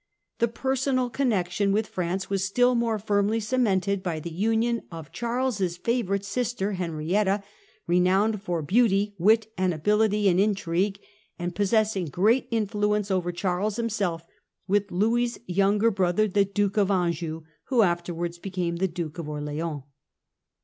The personal connec tion with France was still more firmly cemented by the union of Charles's favourite sister, Henrietta, renowned for beauty, wit, and ability in intrigue, and possessing great influence over Charles himself, with Louis's younger brother, the Duke of Anjou, who afterwards became the Duke of Orleans.